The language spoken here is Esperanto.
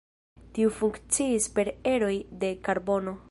Tiu funkciis per eroj de karbono.